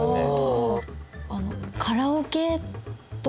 あのカラオケとか。